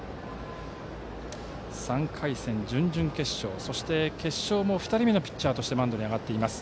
３回戦、準々決勝、そして決勝も２人目のピッチャーとしてマウンドに上がっています。